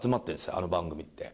あの番組って。